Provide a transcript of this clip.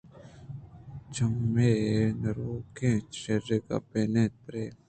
چمّے ناروکیں شیرے ءَ کپت اَنت ءُ پِر